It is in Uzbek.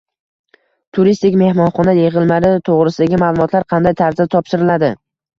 Turistik-mehmonxona yig’imlari to’g’risidagi ma’lumotlar qanday tarzda topshiriladi?